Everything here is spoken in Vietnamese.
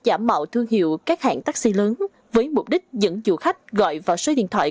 các quản trị viên đã mạo thương hiệu các hãng taxi lớn với mục đích dẫn du khách gọi vào số điện thoại